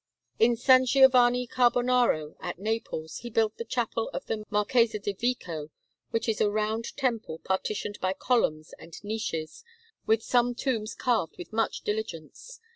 In S. Giovanni Carbonaro at Naples he built the Chapel of the Marchese di Vico, which is a round temple, partitioned by columns and niches, with some tombs carved with much diligence.